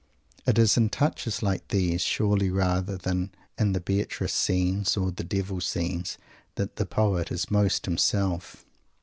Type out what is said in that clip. It is in touches like these, surely, rather than in the Beatrice scenes or the devil scenes, that the poet is most himself.